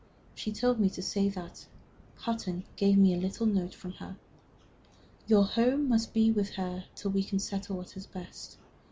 She told me to say that Hutton gave me a little note from her. Your home must be with her till we can all settle what is best.